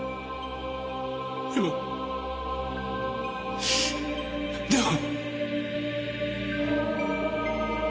でもでも。